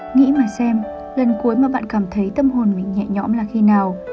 nghĩ mà xem lần cuối mà bạn cảm thấy tâm hồn mình nhẹ nhõm là khi nào